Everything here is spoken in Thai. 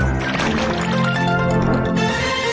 โอ้โฮ